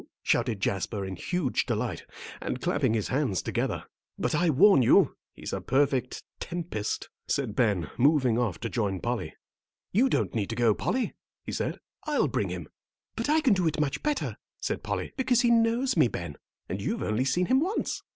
shouted Jasper, in huge delight, and clapping his hands together. "But I warn you, he's a perfect tempest," said Ben, moving off to join Polly. "You don't need to go, Polly," he said; "I'll bring him." "But I can do it much better," said Polly, "because he knows me, Ben, and you've only seen him once."